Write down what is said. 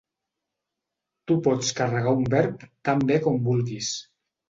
Tu pots carregar un Verb tan bé com vulguis.